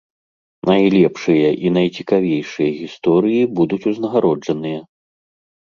Найлепшыя і найцікавейшыя гісторыі будуць узнагароджаныя!